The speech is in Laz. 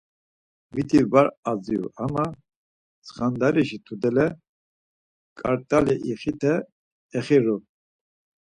Miti var aziru ama tsxandarişi tudele, kart̆ali ixite exiru.